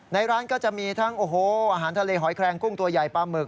ในร้านก็จะมีทั้งโอ้โหอาหารทะเลหอยแคลงกุ้งตัวใหญ่ปลาหมึก